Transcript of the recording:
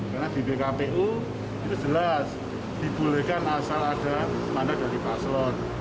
karena di bkpu itu jelas dibolehkan asal ada tanda dari paslon